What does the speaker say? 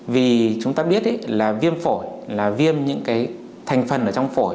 vì chúng ta biết là viêm phổi là viêm những cái thành phần ở trong phổi